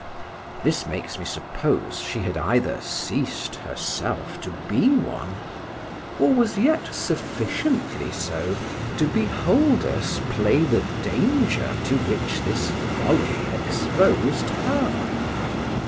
This makes me suppose she had either ceased herself to be one, or was yet sufficiently so to behold us play the danger to which this folly exposed her.